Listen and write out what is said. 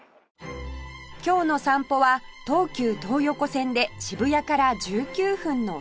今日の散歩は東急東横線で渋谷から１９分の日吉